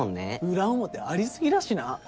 裏表あり過ぎだしな。